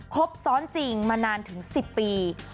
ครบซ้อนจริงมานานถึง๑๐ปี